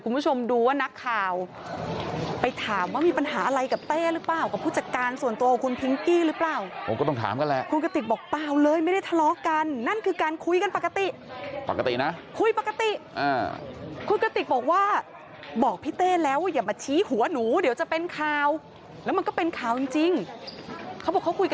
คุณผู้ชมดูว่านักข่าวไปถามว่ามีปัญหาอะไรกับเต้หรือเปล่ากับผู้จัดการส่วนตัวของคุณพิงกี้หรือเปล่าผมก็ต้องถามกันแหละคุณกติกบอกเปล่าเลยไม่ได้ทะเลาะกันนั่นคือการคุยกันปกติปกตินะคุยปกติคุณกติกบอกว่าบอกพี่เต้แล้วว่าอย่ามาชี้หัวหนูเดี๋ยวจะเป็นข่าวแล้วมันก็เป็นข่าวจริงเขาบอกเขาคุยกับ